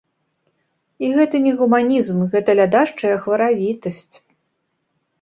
І гэта не гуманізм, гэта лядашчая хваравітасць.